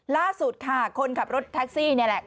ล่าสุดค่ะคนขับรถแท็กซี่นี่แหละ